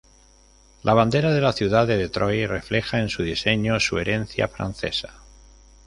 La bandera de la ciudad de Detroit refleja en su diseño su herencia francesa.